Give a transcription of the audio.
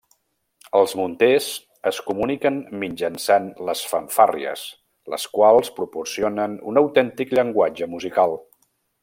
Els munters es comuniquen mitjançant les fanfàrries, les quals proporcionen un autèntic llenguatge musical.